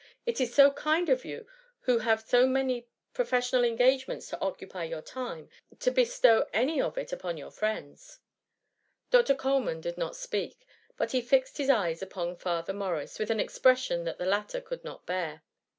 It is so kind of you, who have so many professional engage ments to occupy your time, to bestow any of it upon your friends.*" Dr. Coleman did not speak, but he fixed his eyes upon Father Morris, with an expression which the latter could not bear.